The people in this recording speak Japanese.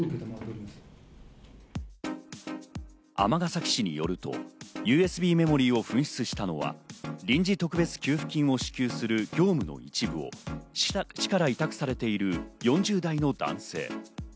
尼崎市によると、ＵＳＢメモリーを紛失したのは臨時特別給付金を支給する業務の一部を市から委託されている４０代の男性。